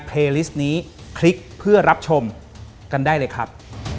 โปรดติดตามตอนต่อไป